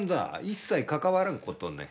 一切関わらん事ね。